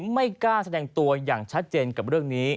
ไม่กล้าแสดงตัวอย่างชัดเจนกับเรื่องนี้